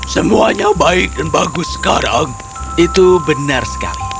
semuanya baik dan bagus sekarang itu benar sekali